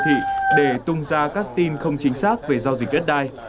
các đối tượng đã tìm hiểu thị để tung ra các tin không chính xác về giao dịch đất đai